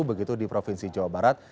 begitu di provinsi jawa barat